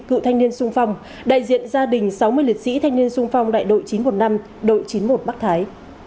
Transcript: cựu thanh niên sung phong đại diện gia đình sáu mươi liệt sĩ thanh niên sung phong đại đội chín trăm một mươi năm đội chín mươi một bắc thái